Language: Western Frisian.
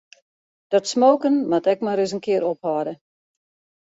Dat smoken moat ek mar ris in kear ophâlde.